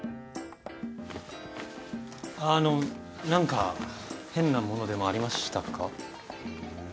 あの何か変なものでもありましたか？